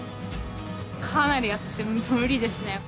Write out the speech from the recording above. かなり暑くて無理ですね。